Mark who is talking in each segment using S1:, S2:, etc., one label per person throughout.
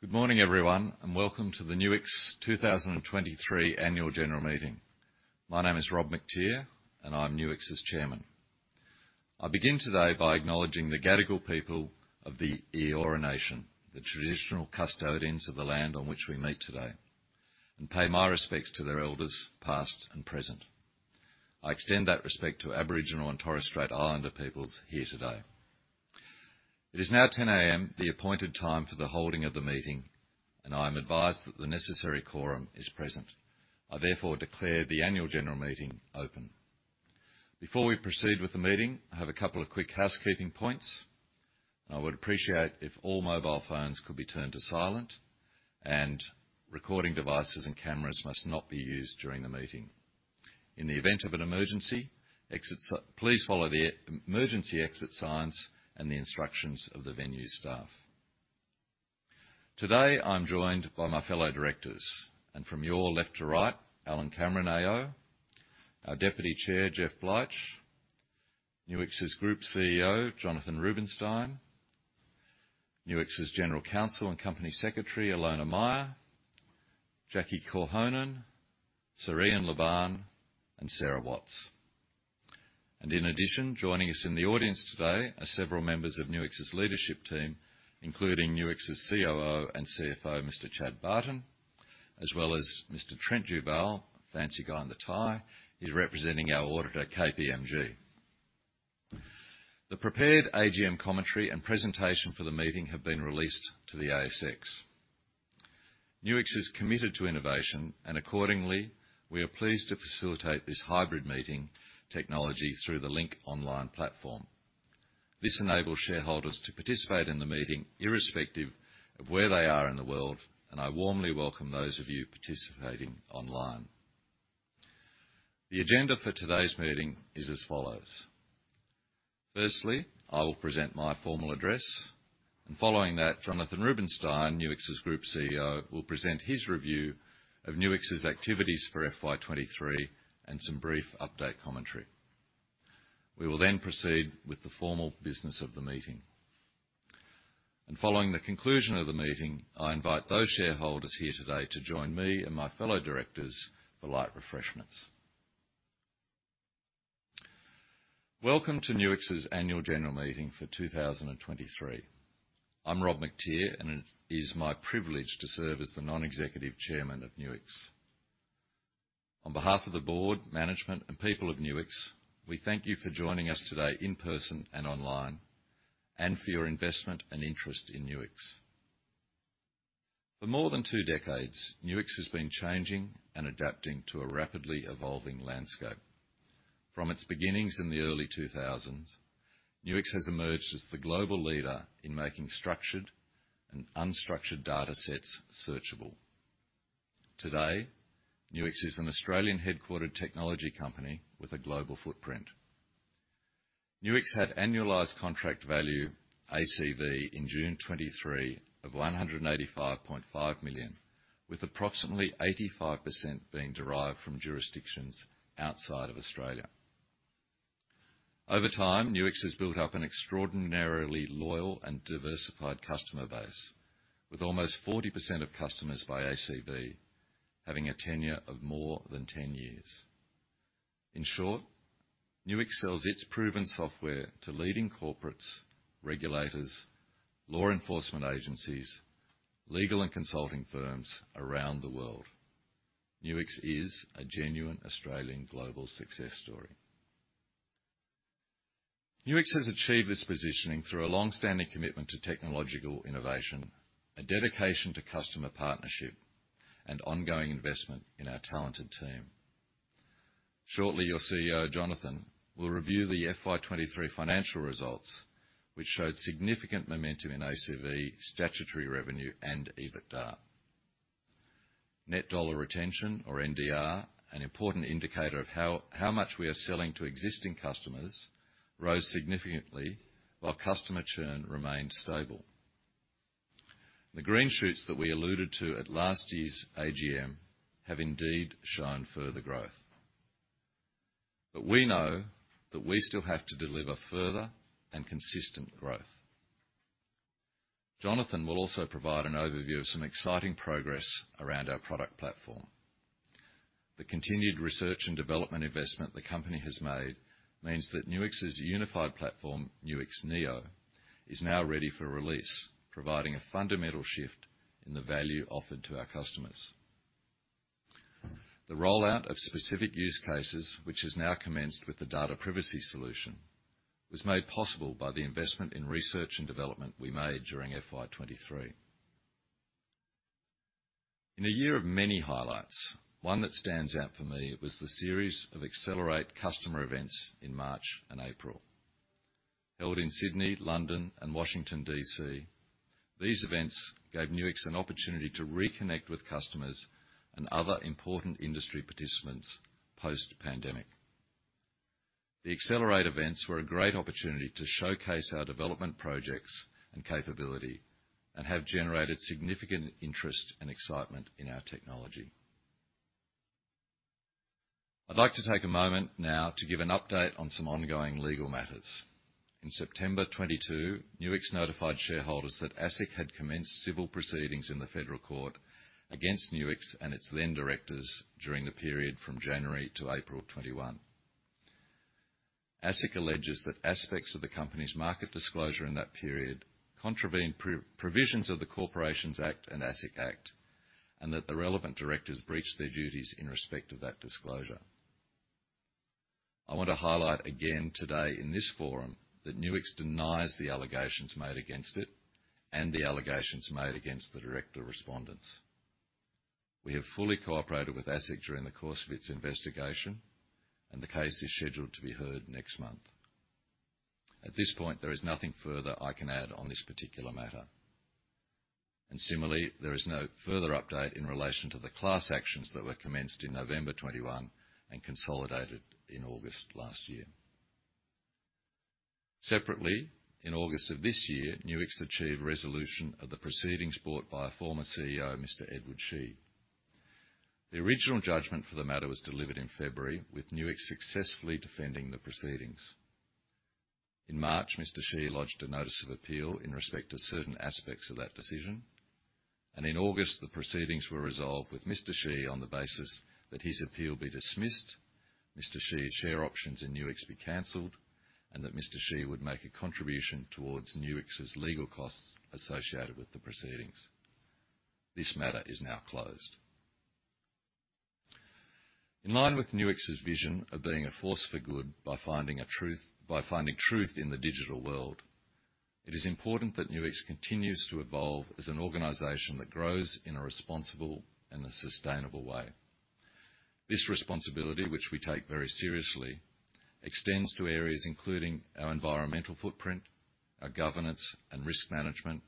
S1: Good morning, everyone, and welcome to the Nuix 2023 Annual General Meeting. My name is Rob Mactier, and I'm Nuix's Chairman. I begin today by acknowledging the Gadigal people of the Eora Nation, the traditional custodians of the land on which we meet today, and pay my respects to their elders, past and present. I extend that respect to Aboriginal and Torres Strait Islander peoples here today. It is now 10:00 A.M., the appointed time for the holding of the meeting, and I am advised that the necessary quorum is present. I therefore declare the annual general meeting open. Before we proceed with the meeting, I have a couple of quick housekeeping points. I would appreciate if all mobile phones could be turned to silent, and recording devices and cameras must not be used during the meeting. In the event of an emergency, exits. Please follow the emergency exit signs and the instructions of the venue staff. Today, I'm joined by my fellow directors and from your left to right, Alan Cameron, AO, our Deputy Chair, Jeff Bleich, Nuix's Group CEO, Jonathan Rubinsztein, Nuix's General Counsel and Company Secretary, Ilona Meyer, Jacqui Korhonen, Sir Iain Lobban, and Sara Watts. In addition, joining us in the audience today are several members of Nuix's leadership team, including Nuix's COO and CFO, Mr. Chad Barton, as well as Mr. Trent Duvall. Fancy guy in the tie, he's representing our auditor, KPMG. The prepared AGM commentary and presentation for the meeting have been released to the ASX. Nuix is committed to innovation, and accordingly, we are pleased to facilitate this hybrid meeting technology through the Link online platform. This enables shareholders to participate in the meeting, irrespective of where they are in the world, and I warmly welcome those of you participating online. The agenda for today's meeting is as follows: firstly, I will present my formal address, and following that, Jonathan Rubinsztein, Nuix's Group CEO, will present his review of Nuix's activities for FY 2023 and some brief update commentary. We will then proceed with the formal business of the meeting. Following the conclusion of the meeting, I invite those shareholders here today to join me and my fellow directors for light refreshments. Welcome to Nuix's Annual General Meeting for 2023. I'm Robert Mactier, and it is my privilege to serve as the Non-Executive Chairman of Nuix. On behalf of the board, management, and people of Nuix, we thank you for joining us today in person and online, and for your investment and interest in Nuix. For more than two decades, Nuix has been changing and adapting to a rapidly evolving landscape. From its beginnings in the early 2000s, Nuix has emerged as the global leader in making structured and unstructured datasets searchable. Today, Nuix is an Australian-headquartered technology company with a global footprint. Nuix had annualized contract value, ACV, in June 2023 of 185.5 million, with approximately 85% being derived from jurisdictions outside of Australia. Over time, Nuix has built up an extraordinarily loyal and diversified customer base, with almost 40% of customers by ACV having a tenure of more than 10 years. In short, Nuix sells its proven software to leading corporates, regulators, law enforcement agencies, legal and consulting firms around the world. Nuix is a genuine Australian global success story. Nuix has achieved this positioning through a long-standing commitment to technological innovation, a dedication to customer partnership, and ongoing investment in our talented team. Shortly, your CEO, Jonathan, will review the FY 2023 financial results, which showed significant momentum in ACV, statutory revenue, and EBITDA. Net dollar retention, or NDR, an important indicator of how much we are selling to existing customers, rose significantly while customer churn remained stable. The green shoots that we alluded to at last year's AGM have indeed shown further growth. But we know that we still have to deliver further and consistent growth. Jonathan will also provide an overview of some exciting progress around our product platform. The continued research and development investment the company has made means that Nuix's unified platform, Nuix Neo, is now ready for release, providing a fundamental shift in the value offered to our customers. The rollout of specific use cases, which has now commenced with the data privacy solution, was made possible by the investment in research and development we made during FY 2023. In a year of many highlights, one that stands out for me was the series of Accelerate customer events in March and April. Held in Sydney, London, and Washington, D.C., these events gave Nuix an opportunity to reconnect with customers and other important industry participants post-pandemic. The Accelerate events were a great opportunity to showcase our development projects and capability and have generated significant interest and excitement in our technology. I'd like to take a moment now to give an update on some ongoing legal matters. In September 2022, Nuix notified shareholders that ASIC had commenced civil proceedings in the Federal Court against Nuix and its then directors during the period from January to April 2021. ASIC alleges that aspects of the company's market disclosure in that period contravened provisions of the Corporations Act and ASIC Act, and that the relevant directors breached their duties in respect of that disclosure. I want to highlight again today in this forum, that Nuix denies the allegations made against it and the allegations made against the director respondents. We have fully cooperated with ASIC during the course of its investigation, and the case is scheduled to be heard next month. At this point, there is nothing further I can add on this particular matter. And similarly, there is no further update in relation to the class actions that were commenced in November 2021 and consolidated in August last year. Separately, in August of this year, Nuix achieved resolution of the proceedings brought by a former CEO, Mr. Eddie Sheehy. The original judgment for the matter was delivered in February, with Nuix successfully defending the proceedings. In March, Mr. Sheehy lodged a notice of appeal in respect to certain aspects of that decision, and in August, the proceedings were resolved with Mr. Sheehy on the basis that his appeal be dismissed, Mr. Sheehy's share options in Nuix be canceled, and that Mr. Sheehy would make a contribution towards Nuix's legal costs associated with the proceedings. This matter is now closed. In line with Nuix's vision of being a force for good by finding truth in the digital world, it is important that Nuix continues to evolve as an organization that grows in a responsible and a sustainable way. This responsibility, which we take very seriously, extends to areas including our environmental footprint, our governance and risk management,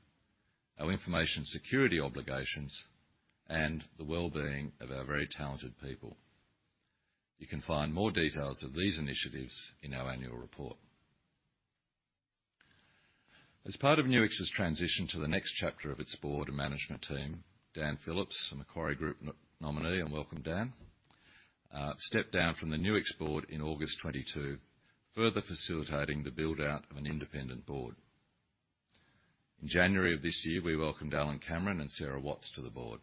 S1: our information security obligations, and the well-being of our very talented people. You can find more details of these initiatives in our annual report. As part of Nuix's transition to the next chapter of its board and management team, Dan Phillips, a Macquarie Group nominee, and welcome, Dan, stepped down from the Nuix board in August 2022, further facilitating the build-out of an independent board. In January of this year, we welcomed Alan Cameron and Sara Watts to the board.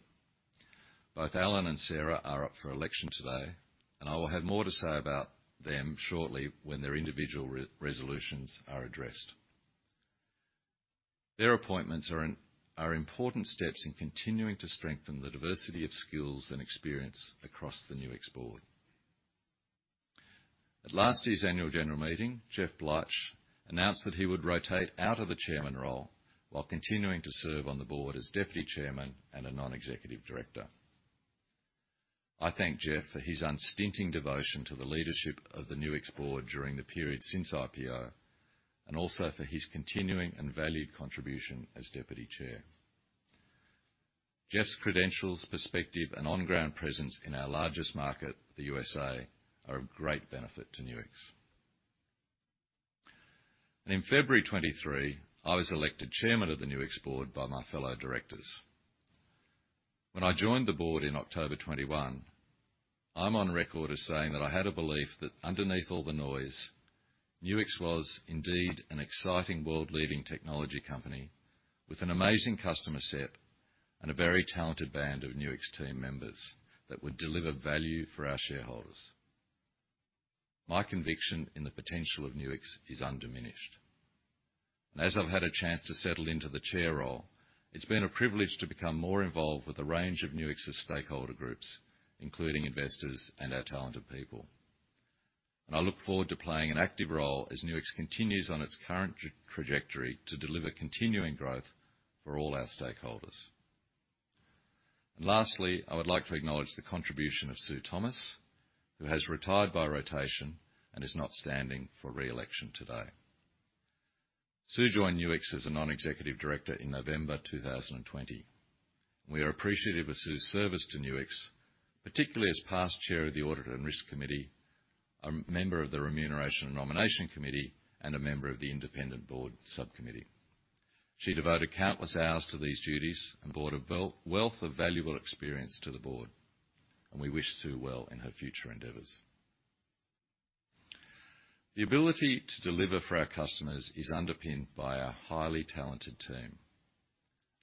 S1: Both Alan and Sara are up for election today, and I will have more to say about them shortly when their individual resolutions are addressed. Their appointments are important steps in continuing to strengthen the diversity of skills and experience across the Nuix board. At last year's annual general meeting, Jeff Bleich announced that he would rotate out of the Chairman role while continuing to serve on the board as deputy chairman and a Non-Executive Director. I thank Jeff for his unstinting devotion to the leadership of the Nuix board during the period since IPO, and also for his continuing and valued contribution as deputy chair. Jeff's credentials, perspective and on-ground presence in our largest market, the USA, are of great benefit to Nuix. In February 2023, I was elected chairman of the Nuix board by my fellow directors. When I joined the board in October 2021, I'm on record as saying that I had a belief that underneath all the noise, Nuix was indeed an exciting, world-leading technology company with an amazing customer set and a very talented band of Nuix team members that would deliver value for our shareholders. My conviction in the potential of Nuix is undiminished, and as I've had a chance to settle into the chair role, it's been a privilege to become more involved with a range of Nuix's stakeholder groups, including investors and our talented people. And I look forward to playing an active role as Nuix continues on its current trajectory to deliver continuing growth for all our stakeholders. And lastly, I would like to acknowledge the contribution of Sue Thomas, who has retired by rotation and is not standing for re-election today. Sue joined Nuix as a Non-Executive Director in November 2020. We are appreciative of Sue's service to Nuix, particularly as past chair of the Audit and Risk Committee, a member of the Remuneration and Nomination Committee, and a member of the Independent Board Subcommittee. She devoted countless hours to these duties and brought a wealth of valuable experience to the board, and we wish Sue well in her future endeavors. The ability to deliver for our customers is underpinned by our highly talented team.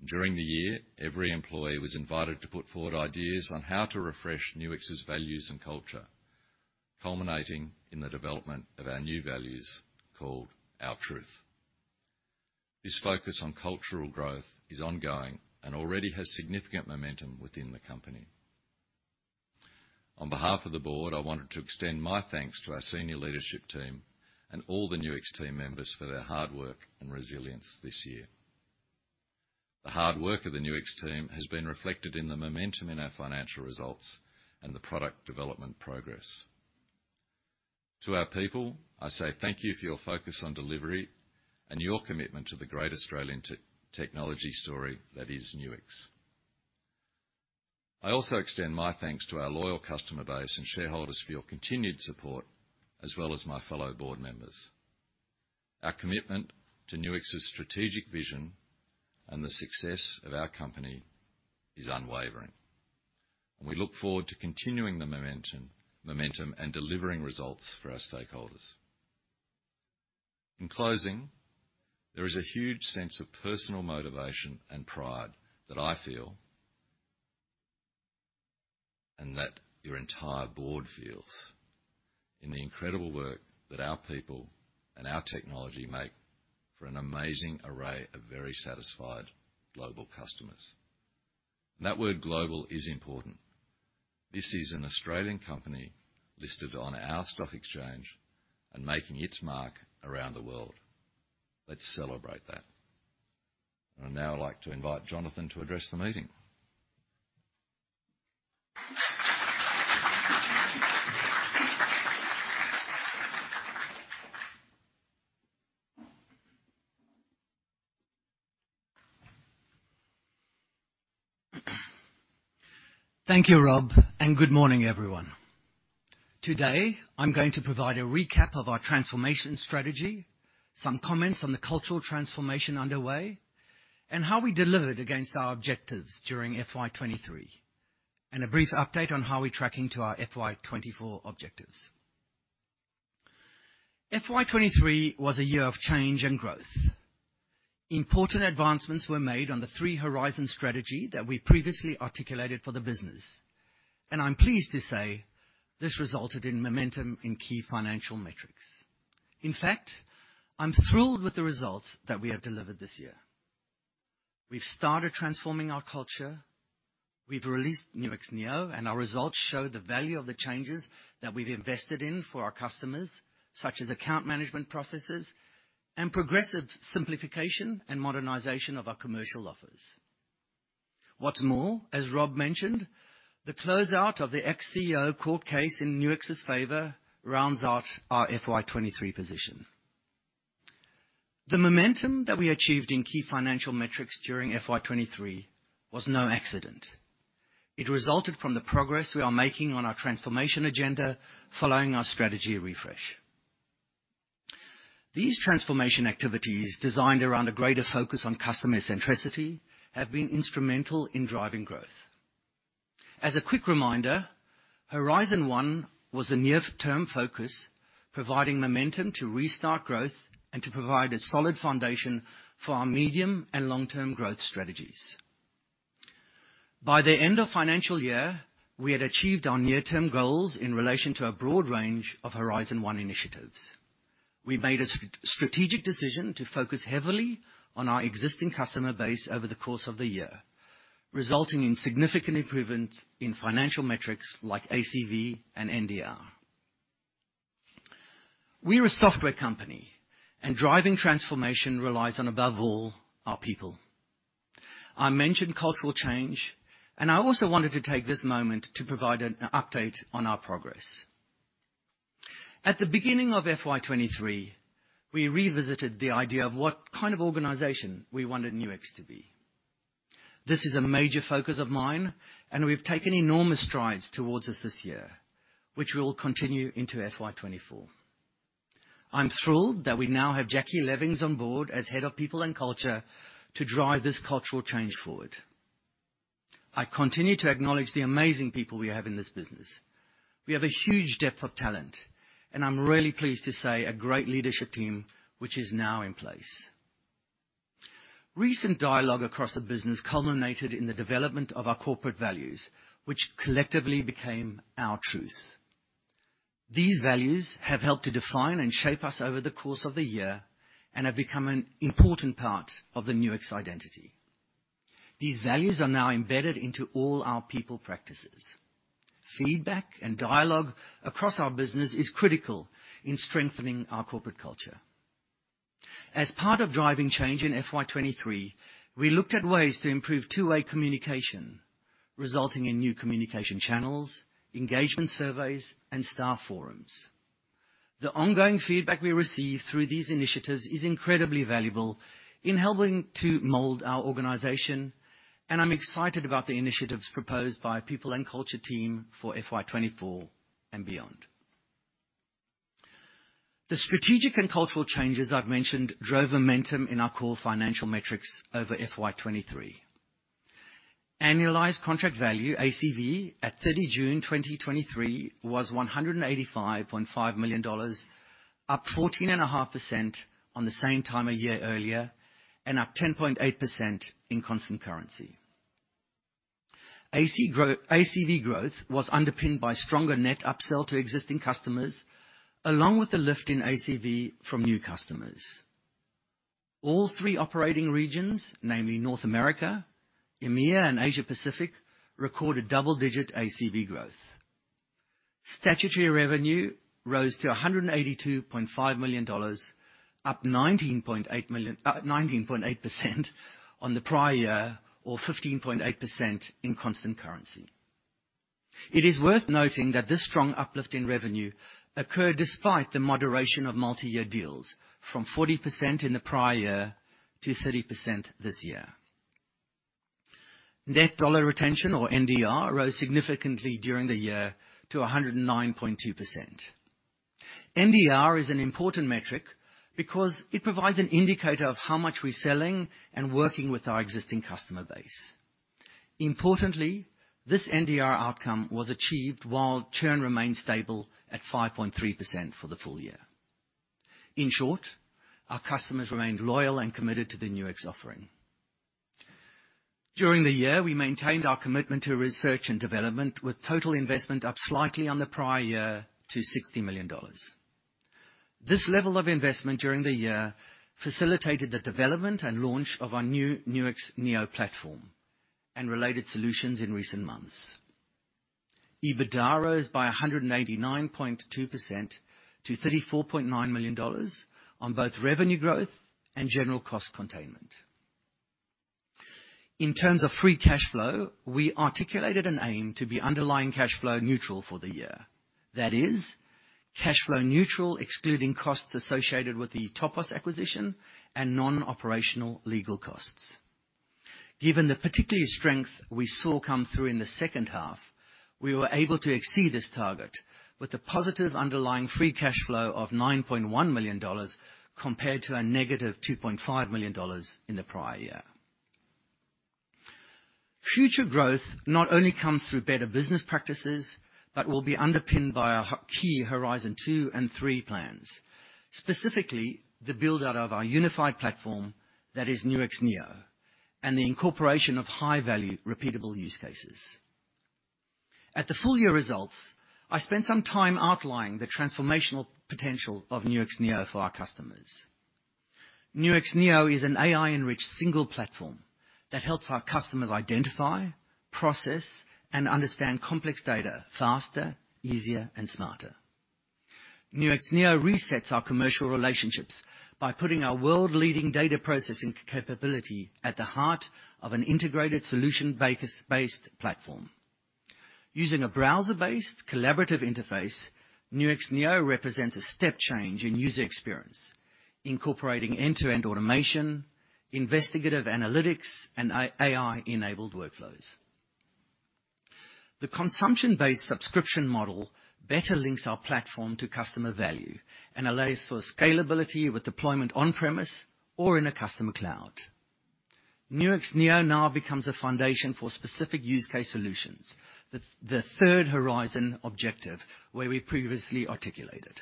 S1: During the year, every employee was invited to put forward ideas on how to refresh Nuix's values and culture, culminating in the development of our new values called Our Truth. This focus on cultural growth is ongoing and already has significant momentum within the company. On behalf of the board, I wanted to extend my thanks to our senior leadership team and all the Nuix team members for their hard work and resilience this year. The hard work of the Nuix team has been reflected in the momentum in our financial results and the product development progress. To our people, I say thank you for your focus on delivery and your commitment to the great Australian technology story that is Nuix. I also extend my thanks to our loyal customer base and shareholders for your continued support, as well as my fellow board members. Our commitment to Nuix's strategic vision and the success of our company is unwavering, and we look forward to continuing the momentum and delivering results for our stakeholders. In closing, there is a huge sense of personal motivation and pride that I feel, and that your entire board feels, in the incredible work that our people and our technology make for an amazing array of very satisfied global customers. That word, global, is important. This is an Australian company listed on our stock exchange and making its mark around the world. Let's celebrate that. I'd now like to invite Jonathan to address the meeting.
S2: Thank you, Rob, and good morning, everyone. Today, I'm going to provide a recap of our transformation strategy, some comments on the cultural transformation underway, and how we delivered against our objectives during FY 2023, and a brief update on how we're tracking to our FY 2024 objectives. FY 2023 was a year of change and growth. Important advancements were made on the Three Horizon strategy that we previously articulated for the business, and I'm pleased to say this resulted in momentum in key financial metrics. In fact, I'm thrilled with the results that we have delivered this year. We've started transforming our culture, we've released Nuix Neo, and our results show the value of the changes that we've invested in for our customers, such as account management processes and progressive simplification and modernization of our commercial offers. What's more, as Rob mentioned, the closeout of the ex-CEO court case in Nuix's favor rounds out our FY 2023 position. The momentum that we achieved in key financial metrics during FY 2023 was no accident. It resulted from the progress we are making on our transformation agenda following our strategy refresh. These transformation activities, designed around a greater focus on customer centricity, have been instrumental in driving growth. As a quick reminder, Horizon One was the near-term focus, providing momentum to restart growth and to provide a solid foundation for our medium and long-term growth strategies. By the end of financial year, we had achieved our near-term goals in relation to a broad range of Horizon One initiatives. We made a strategic decision to focus heavily on our existing customer base over the course of the year, resulting in significant improvements in financial metrics like ACV and NDR. We are a software company, and driving transformation relies on, above all, our people. I mentioned cultural change, and I also wanted to take this moment to provide an update on our progress. At the beginning of FY 2023, we revisited the idea of what kind of organization we wanted Nuix to be. This is a major focus of mine, and we've taken enormous strides towards this, this year, which we will continue into FY 2024. I'm thrilled that we now have Jacqui Levings on board as Head of People and Culture to drive this cultural change forward. I continue to acknowledge the amazing people we have in this business. We have a huge depth of talent, and I'm really pleased to say, a great leadership team, which is now in place. Recent dialogue across the business culminated in the development of our corporate values, which collectively became our truth. These values have helped to define and shape us over the course of the year and have become an important part of the Nuix identity. These values are now embedded into all our people practices. Feedback and dialogue across our business is critical in strengthening our corporate culture. As part of driving change in FY 2023, we looked at ways to improve two-way communication, resulting in new communication channels, engagement surveys, and staff forums. The ongoing feedback we receive through these initiatives is incredibly valuable in helping to mold our organization, and I'm excited about the initiatives proposed by People and Culture team for FY 2024 and beyond. The strategic and cultural changes I've mentioned drove momentum in our core financial metrics over FY 2023. Annualized contract value, ACV, at 30 June 2023 was $185.5 million, up 14.5% on the same time a year earlier, and up 10.8% in constant currency. ACV growth was underpinned by stronger net upsell to existing customers, along with the lift in ACV from new customers. All three operating regions, namely North America, EMEA, and Asia Pacific, recorded double-digit ACV growth. Statutory revenue rose to $182.5 million, up 19.8% on the prior year, or 15.8% in constant currency. It is worth noting that this strong uplift in revenue occurred despite the moderation of multi-year deals from 40% in the prior year to 30% this year. Net dollar retention, or NDR, rose significantly during the year to 109.2%. NDR is an important metric because it provides an indicator of how much we're selling and working with our existing customer base. Importantly, this NDR outcome was achieved while churn remained stable at 5.3% for the full year. In short, our customers remained loyal and committed to the Nuix offering. During the year, we maintained our commitment to research and development, with total investment up slightly on the prior year to 60 million dollars. This level of investment during the year facilitated the development and launch of our new Nuix Neo platform and related solutions in recent months. EBITDA rose by 189.2% to 34.9 million dollars on both revenue growth and general cost containment. In terms of free cash flow, we articulated an aim to be underlying cash flow neutral for the year. That is, cash flow neutral, excluding costs associated with the Topos acquisition and non-operational legal costs. Given the particular strength we saw come through in the second half, we were able to exceed this target with a positive underlying free cash flow of 9.1 million dollars, compared to a negative 2.5 million dollars in the prior year. Future growth not only comes through better business practices, but will be underpinned by our key Horizon Two and Three plans, specifically the build-out of our unified platform, that is Nuix Neo, and the incorporation of high-value, repeatable use cases. At the full year results, I spent some time outlining the transformational potential of Nuix Neo for our customers. Nuix Neo is an AI-enriched single platform that helps our customers identify, process, and understand complex data faster, easier, and smarter. Nuix Neo resets our commercial relationships by putting our world-leading data processing capability at the heart of an integrated solution SaaS-based platform. Using a browser-based collaborative interface, Nuix Neo represents a step change in user experience, incorporating end-to-end automation, investigative analytics, and AI-enabled workflows. The consumption-based subscription model better links our platform to customer value and allows for scalability with deployment on-premise or in a customer cloud. Nuix Neo now becomes a foundation for specific use case solutions, the third horizon objective, where we previously articulated.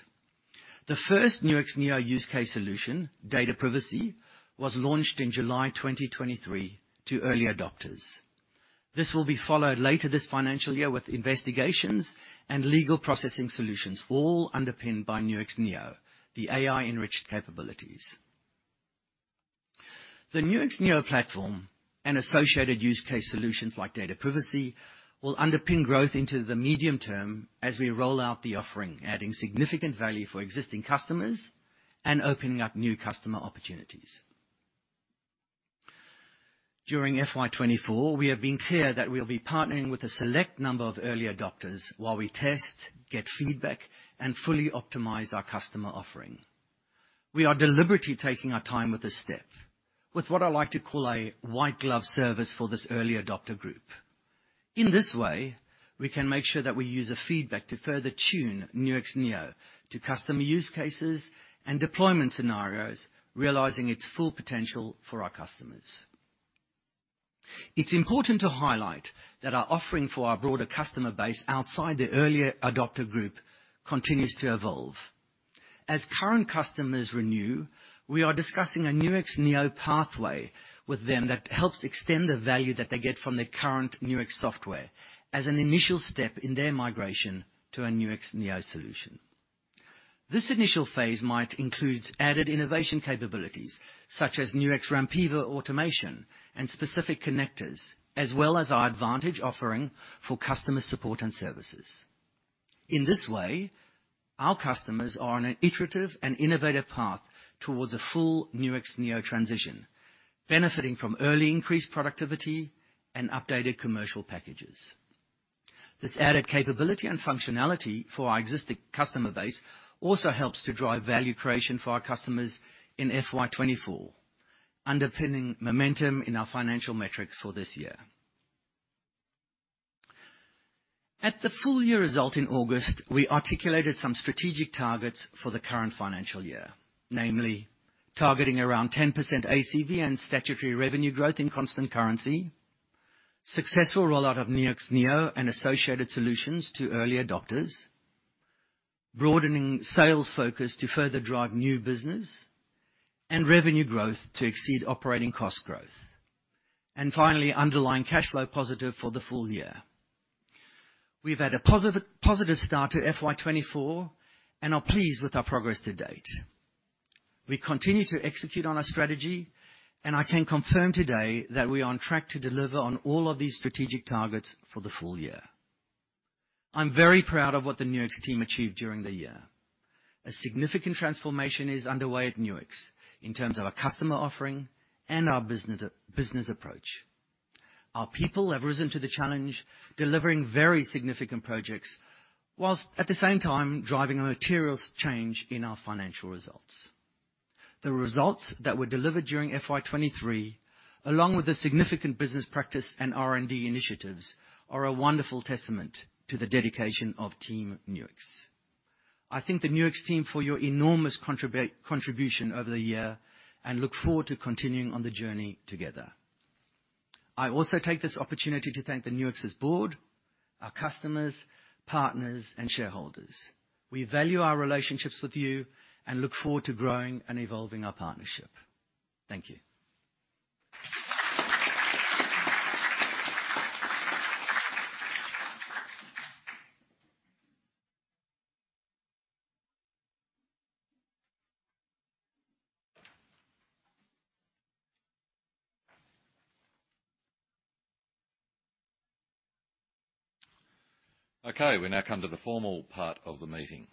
S2: The first Nuix Neo use case solution, Data Privacy, was launched in July 2023 to early adopters. This will be followed later this financial year with investigations and legal processing solutions, all underpinned by Nuix Neo, the AI-enriched capabilities. The Nuix Neo platform and associated use case solutions, like data privacy, will underpin growth into the medium term as we roll out the offering, adding significant value for existing customers and opening up new customer opportunities. During FY 2024, we have been clear that we'll be partnering with a select number of early adopters while we test, get feedback, and fully optimize our customer offering. We are deliberately taking our time with this step, with what I like to call a white glove service for this early adopter group. In this way, we can make sure that we use the feedback to further tune Nuix Neo to customer use cases and deployment scenarios, realizing its full potential for our customers. It's important to highlight that our offering for our broader customer base outside the early adopter group continues to evolve. As current customers renew, we are discussing a Nuix Neo pathway with them that helps extend the value that they get from their current Nuix software as an initial step in their migration to a Nuix Neo solution. This initial phase might include added innovation capabilities such as Nuix Rampiva automation and specific connectors, as well as our advantage offering for customer support and services. In this way, our customers are on an iterative and innovative path towards a full Nuix Neo transition, benefiting from early increased productivity and updated commercial packages. This added capability and functionality for our existing customer base also helps to drive value creation for our customers in FY 2024, underpinning momentum in our financial metrics for this year. At the full year result in August, we articulated some strategic targets for the current financial year, namely, targeting around 10% ACV and statutory revenue growth in constant currency, successful rollout of Nuix Neo and associated solutions to early adopters, broadening sales focus to further drive new business and revenue growth to exceed operating cost growth, and finally, underlying cash flow positive for the full year. We've had a positive start to FY 2024 and are pleased with our progress to date. We continue to execute on our strategy, and I can confirm today that we are on track to deliver on all of these strategic targets for the full year. I'm very proud of what the Nuix team achieved during the year. A significant transformation is underway at Nuix in terms of our customer offering and our business approach. Our people have risen to the challenge, delivering very significant projects, while at the same time driving a material change in our financial results. The results that were delivered during FY 2023, along with the significant business practice and R&D initiatives, are a wonderful testament to the dedication of Team Nuix. I thank the Nuix team for your enormous contribution over the year, and look forward to continuing on the journey together. I also take this opportunity to thank the Nuix's board, our customers, partners, and shareholders. We value our relationships with you and look forward to growing and evolving our partnership. Thank you.
S1: Okay, we now come to the formal part of the meeting.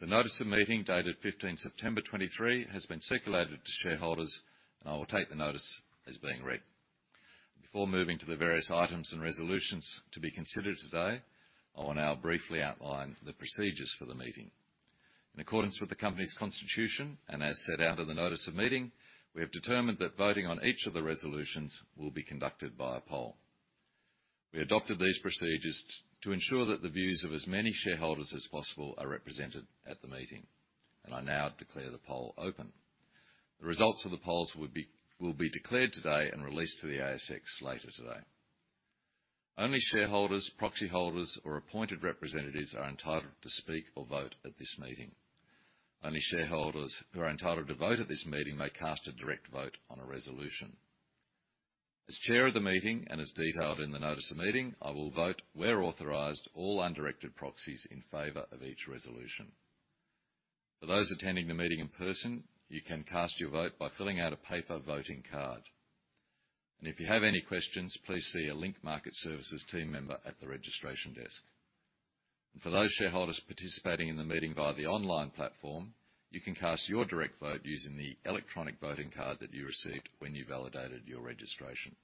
S1: The notice of meeting, dated 15 September 2023, has been circulated to shareholders, and I will take the notice as being read. Before moving to the various items and resolutions to be considered today, I will now briefly outline the procedures for the meeting. In accordance with the company's constitution, and as set out in the notice of meeting, we have determined that voting on each of the resolutions will be conducted by a poll. We adopted these procedures to ensure that the views of as many shareholders as possible are represented at the meeting, and I now declare the poll open. The results of the polls will be declared today and released to the ASX later today. Only shareholders, proxy holders, or appointed representatives are entitled to speak or vote at this meeting. Only shareholders who are entitled to vote at this meeting may cast a direct vote on a resolution. As chair of the meeting and as detailed in the notice of meeting, I will vote, where authorized, all undirected proxies in favor of each resolution. For those attending the meeting in person, you can cast your vote by filling out a paper voting card. If you have any questions, please see a Link Market Services team member at the registration desk. For those shareholders participating in the meeting via the online platform, you can cast your direct vote using the electronic voting card that you received when you validated your registration.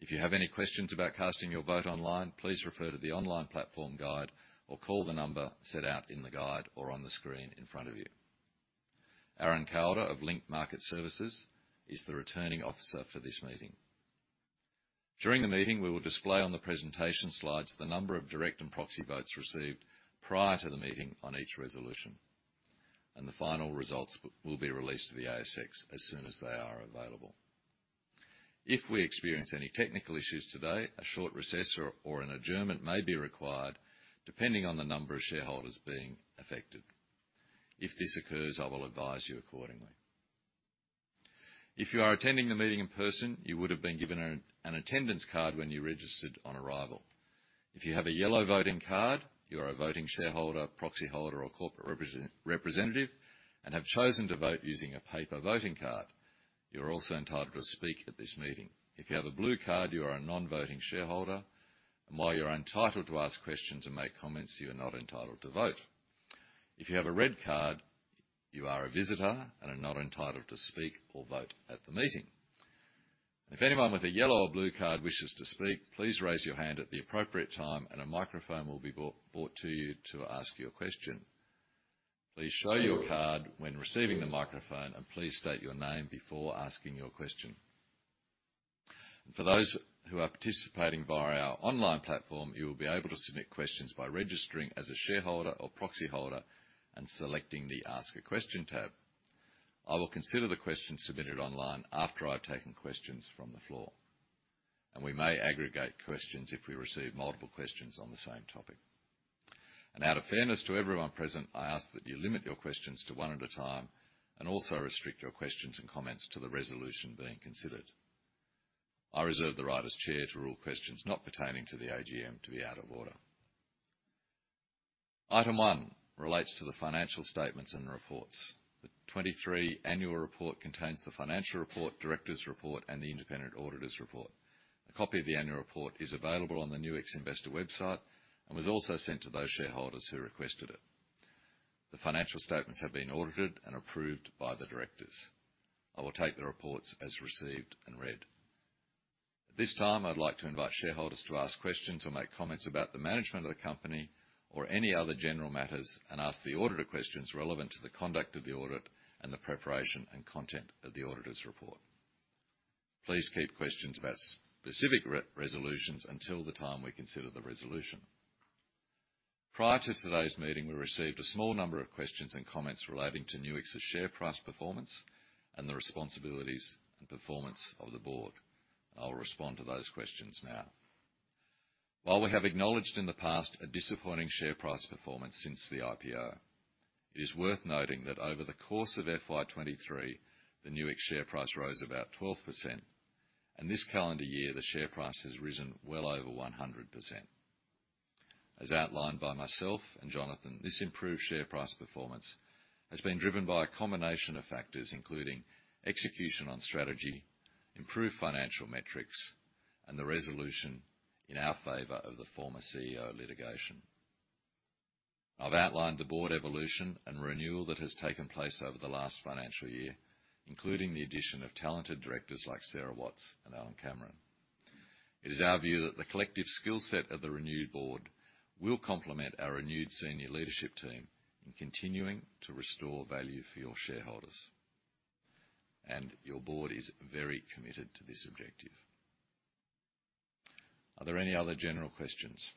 S1: If you have any questions about casting your vote online, please refer to the online platform guide or call the number set out in the guide or on the screen in front of you. Aaron Calder of Link Market Services is the Returning Officer for this meeting. During the meeting, we will display on the presentation slides the number of direct and proxy votes received prior to the meeting on each resolution, and the final results will be released to the ASX as soon as they are available. If we experience any technical issues today, a short recess or an adjournment may be required, depending on the number of shareholders being affected. If this occurs, I will advise you accordingly. If you are attending the meeting in person, you would have been given an attendance card when you registered on arrival. If you have a yellow voting card, you are a voting shareholder, proxy holder, or corporate representative and have chosen to vote using a paper voting card, you're also entitled to speak at this meeting. If you have a blue card, you are a non-voting shareholder, and while you're entitled to ask questions and make comments, you are not entitled to vote. If you have a red card, you are a visitor and are not entitled to speak or vote at the meeting. If anyone with a yellow or blue card wishes to speak, please raise your hand at the appropriate time and a microphone will be brought to you to ask your question. Please show your card when receiving the microphone, and please state your name before asking your question. For those who are participating via our online platform, you will be able to submit questions by registering as a shareholder or proxy holder and selecting the Ask a Question tab. I will consider the questions submitted online after I've taken questions from the floor, and we may aggregate questions if we receive multiple questions on the same topic. Out of fairness to everyone present, I ask that you limit your questions to one at a time and also restrict your questions and comments to the resolution being considered. I reserve the right as Chair to rule questions not pertaining to the AGM to be out of order. Item 1 relates to the financial statements and reports. The 2023 annual report contains the financial report, directors' report, and the independent auditor's report. A copy of the annual report is available on the Nuix investor website and was also sent to those shareholders who requested it. The financial statements have been audited and approved by the directors. I will take the reports as received and read. At this time, I'd like to invite shareholders to ask questions or make comments about the management of the company or any other general matters, and ask the auditor questions relevant to the conduct of the audit and the preparation and content of the auditor's report. Please keep questions about specific resolutions until the time we consider the resolution. Prior to today's meeting, we received a small number of questions and comments relating to Nuix's share price performance and the responsibilities and performance of the board. I'll respond to those questions now. While we have acknowledged in the past a disappointing share price performance since the IPO, it is worth noting that over the course of FY 2023, the Nuix share price rose about 12%, and this calendar year, the share price has risen well over 100%. As outlined by myself and Jonathan, this improved share price performance has been driven by a combination of factors, including execution on strategy, improved financial metrics, and the resolution in our favor of the former CEO litigation. I've outlined the board evolution and renewal that has taken place over the last financial year, including the addition of talented directors like Sara Watts and Alan Cameron. It is our view that the collective skill set of the renewed board will complement our renewed senior leadership team in continuing to restore value for your shareholders. And your board is very committed to this objective. Are there any other general questions?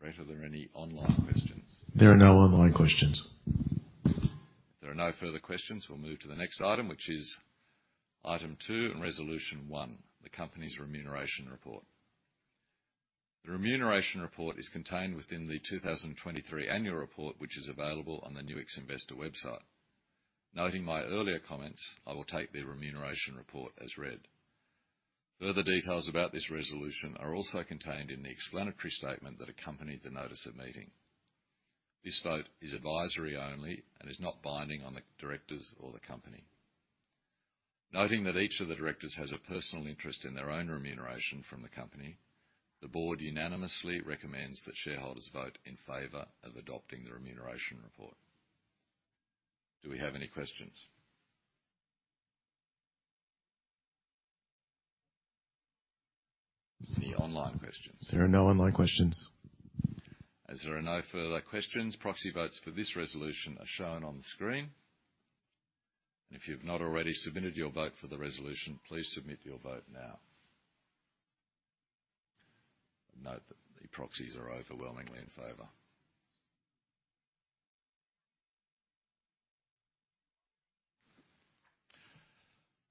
S1: Great. Are there any online questions?
S3: There are no online questions.
S1: If there are no further questions, we'll move to the next item, which is item two and resolution one, the company's remuneration report. The remuneration report is contained within the 2023 annual report, which is available on the Nuix investor website. Noting my earlier comments, I will take the remuneration report as read. Further details about this resolution are also contained in the explanatory statement that accompanied the notice of meeting. This vote is advisory only and is not binding on the directors or the company. Noting that each of the directors has a personal interest in their own remuneration from the company, the board unanimously recommends that shareholders vote in favor of adopting the remuneration report. Do we have any questions? Any online questions?
S3: There are no online questions.
S1: As there are no further questions, proxy votes for this resolution are shown on the screen. If you've not already submitted your vote for the resolution, please submit your vote now. Note that the proxies are overwhelmingly in favor.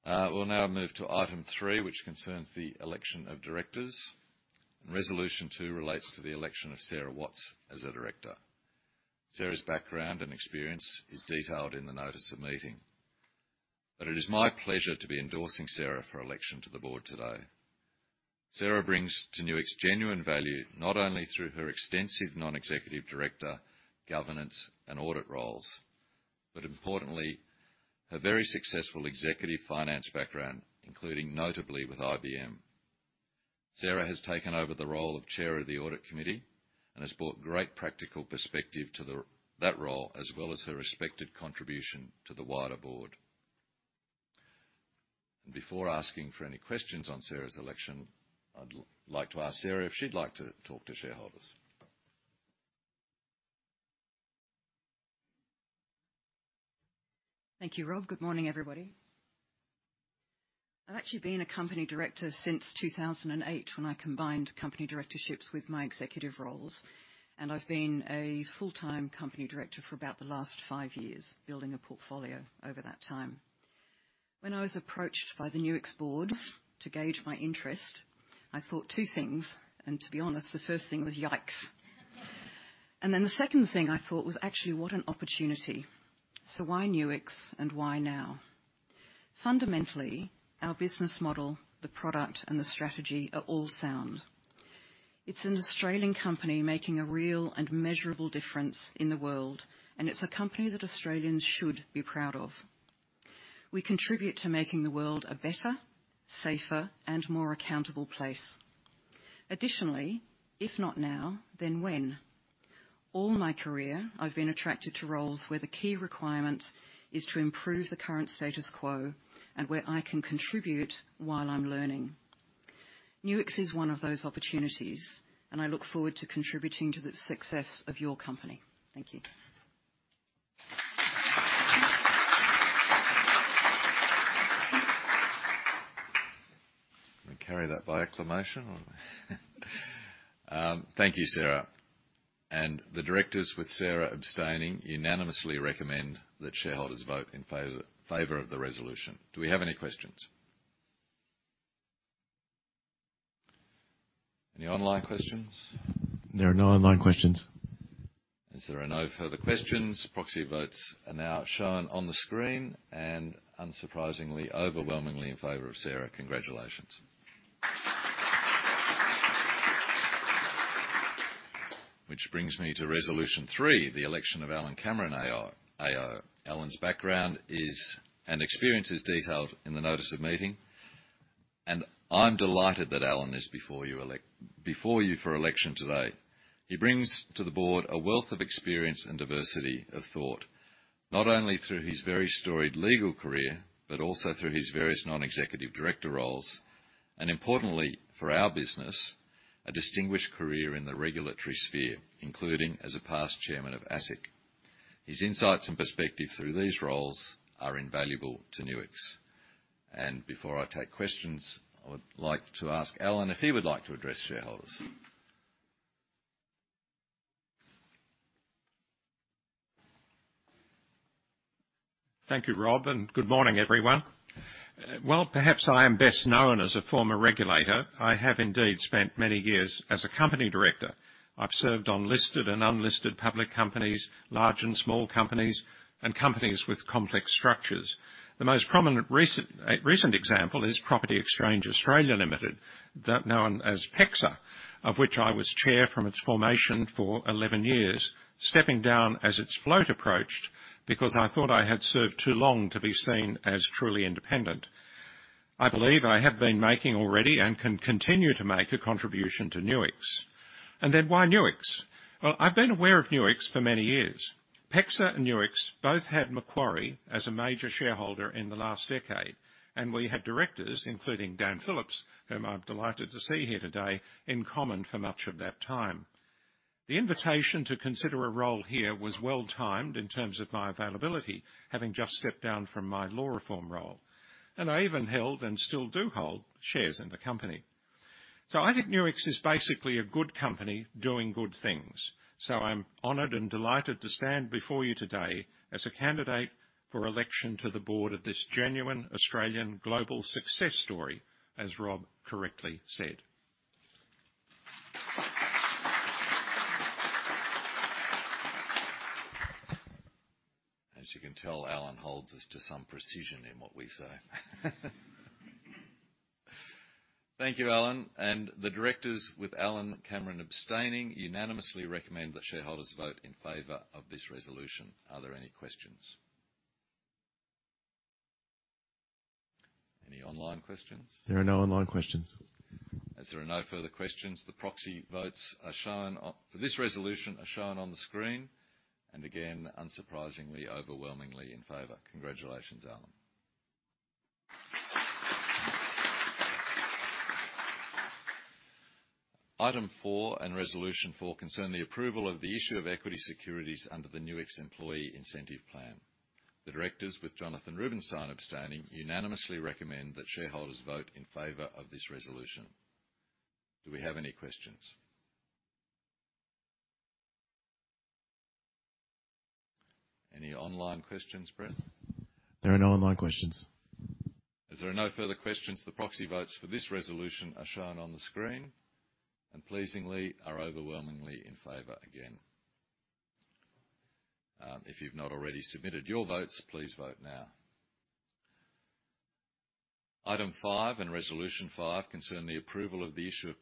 S1: We'll now move to item three, which concerns the election of directors, and resolution two relates to the election of Sara Watts as a director. Sara's background and experience is detailed in the notice of meeting, but it is my pleasure to be endorsing Sara for election to the board today. Sara brings to Nuix genuine value, not only through her extensive Non-Executive Director, governance, and audit roles, but importantly, her very successful executive finance background, including notably with IBM. Sara has taken over the role of Chair of the Audit Committee and has brought great practical perspective to that role, as well as her respected contribution to the wider board. Before asking for any questions on Sara's election, I'd like to ask Sara if she'd like to talk to shareholders.
S4: Thank you, Rob. Good morning, everybody. I've actually been a company director since 2008, when I combined company directorships with my executive roles, and I've been a full-time company director for about the last five years, building a portfolio over that time. When I was approached by the Nuix board to gauge my interest, I thought two things, and to be honest, the first thing was, "Yikes!" And then the second thing I thought was, "Actually, what an opportunity." So why Nuix and why now? Fundamentally, our business model, the product, and the strategy are all sound. It's an Australian company making a real and measurable difference in the world, and it's a company that Australians should be proud of. We contribute to making the world a better, safer, and more accountable place. Additionally, if not now, then when? All my career, I've been attracted to roles where the key requirement is to improve the current status quo and where I can contribute while I'm learning. Nuix is one of those opportunities, and I look forward to contributing to the success of your company. Thank you.
S1: We carry that by acclamation. Thank you, Sara. And the directors, with Sara abstaining, unanimously recommend that shareholders vote in favor, favor of the resolution. Do we have any questions? Any online questions?
S3: There are no online questions.
S1: As there are no further questions, proxy votes are now shown on the screen and unsurprisingly, overwhelmingly in favor of Sara. Congratulations. Which brings me to resolution three, the election of Alan Cameron, AO. Alan's background is, and experience is detailed in the notice of meeting, and I'm delighted that Alan is before you for election today. He brings to the board a wealth of experience and diversity of thought, not only through his very storied legal career, but also through his various Non-Executive Director roles, and importantly, for our business, a distinguished career in the regulatory sphere, including as a past chairman of ASIC. His insights and perspective through these roles are invaluable to Nuix. Before I take questions, I would like to ask Alan if he would like to address shareholders.
S5: Thank you, Rob, and good morning, everyone. Well, perhaps I am best known as a former regulator. I have indeed spent many years as a company director. I've served on listed and unlisted public companies, large and small companies, and companies with complex structures. The most prominent recent example is Property Exchange Australia Limited, known as PEXA, of which I was chair from its formation for 11 years, stepping down as its float approached because I thought I had served too long to be seen as truly independent. I believe I have been making already and can continue to make a contribution to Nuix. And then why Nuix? Well, I've been aware of Nuix for many years. PEXA and Nuix both had Macquarie as a major shareholder in the last decade, and we had directors, including Dan Phillips, whom I'm delighted to see here today, in common for much of that time. The invitation to consider a role here was well-timed in terms of my availability, having just stepped down from my law reform role, and I even held, and still do hold, shares in the company. So I think Nuix is basically a good company doing good things. So I'm honored and delighted to stand before you today as a candidate for election to the board of this genuine Australian global success story, as Rob correctly said.
S1: As you can tell, Alan holds us to some precision in what we say. Thank you, Alan. The directors with Alan Cameron abstaining, unanimously recommend that shareholders vote in favor of this resolution. Are there any questions? Any online questions?
S3: There are no online questions.
S1: As there are no further questions, the proxy votes for this resolution are shown on the screen, and again, unsurprisingly, overwhelmingly in favor. Congratulations, Alan. Item four and resolution four concern the approval of the issue of equity securities under the Nuix Employee Incentive Plan. The directors, with Jonathan Rubinsztein abstaining, unanimously recommend that shareholders vote in favor of this resolution. Do we have any questions? Any online questions, Brett?
S3: There are no online questions.
S1: As there are no further questions, the proxy votes for this resolution are shown on the screen and pleasingly are overwhelmingly in favor again. If you've not already submitted your votes, please vote now. Item 5 and resolution 5 concern the approval of the issue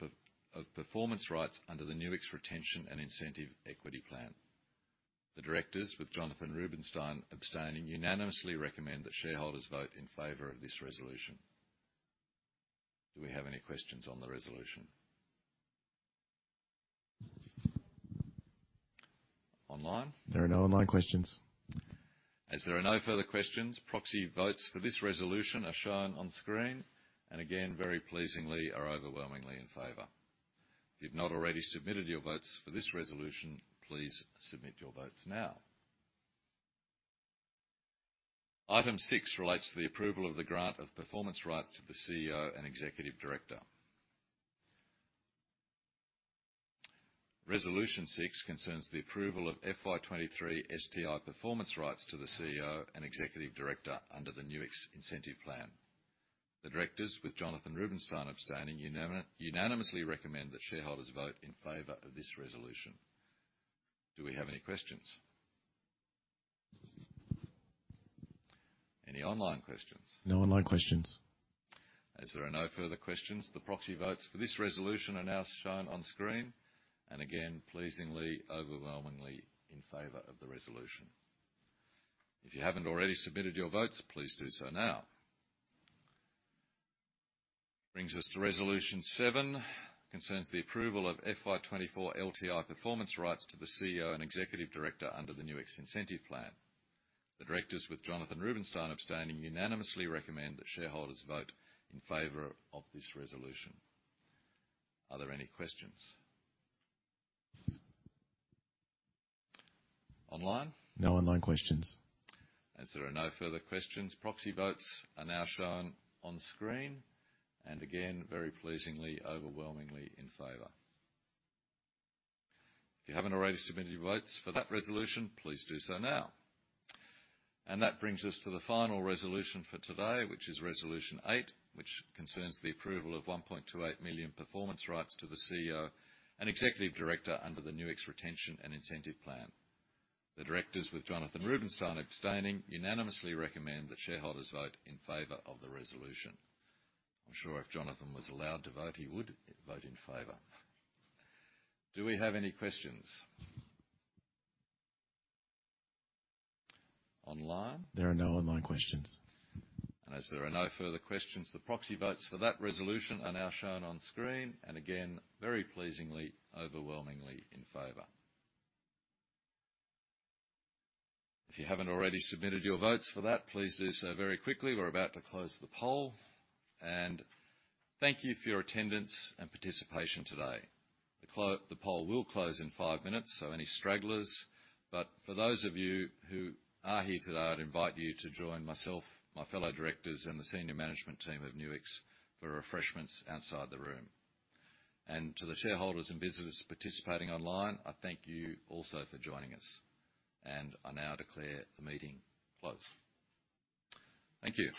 S1: of performance rights under the Nuix Retention and Incentive Equity Plan. The directors, with Jonathan Rubinsztein abstaining, unanimously recommend that shareholders vote in favor of this resolution. Do we have any questions on the resolution? Online?
S3: There are no online questions.
S1: As there are no further questions, proxy votes for this resolution are shown on screen, and again, very pleasingly, are overwhelmingly in favor. If you've not already submitted your votes for this resolution, please submit your votes now. Item six relates to the approval of the grant of performance rights to the CEO and Executive Director. Resolution six concerns the approval of FY 2023 STI performance rights to the CEO and Executive Director under the Nuix Incentive Plan. The directors, with Jonathan Rubinsztein abstaining, unanimously recommend that shareholders vote in favor of this resolution. Do we have any questions? Any online questions?
S3: No online questions.
S1: As there are no further questions, the proxy votes for this resolution are now shown on screen, and again, pleasingly, overwhelmingly in favor of the resolution. If you haven't already submitted your votes, please do so now. Brings us to resolution seven, concerns the approval of FY24 LTI performance rights to the CEO and Executive Director under the Nuix Incentive Plan. The directors, with Jonathan Rubinsztein abstaining, unanimously recommend that shareholders vote in favor of this resolution. Are there any questions? Online?
S3: No online questions.
S1: As there are no further questions, proxy votes are now shown on screen, and again, very pleasingly, overwhelmingly in favor. If you haven't already submitted your votes for that resolution, please do so now. That brings us to the final resolution for today, which is resolution 8, which concerns the approval of 1.28 million performance rights to the CEO and Executive Director under the Nuix Retention and Incentive Plan. The directors, with Jonathan Rubinsztein abstaining, unanimously recommend that shareholders vote in favor of the resolution. I'm sure if Jonathan was allowed to vote, he would vote in favor. Do we have any questions? Online?
S3: There are no online questions.
S1: And as there are no further questions, the proxy votes for that resolution are now shown on screen, and again, very pleasingly, overwhelmingly in favor. If you haven't already submitted your votes for that, please do so very quickly. We're about to close the poll. And thank you for your attendance and participation today. The poll will close in five minutes, so any stragglers. For those of you who are here today, I'd invite you to join myself, my fellow directors, and the senior management team of Nuix for refreshments outside the room. To the shareholders and visitors participating online, I thank you also for joining us, and I now declare the meeting closed. Thank you.